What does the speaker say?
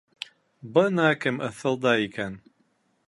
Бына кем ыҫылдай икән!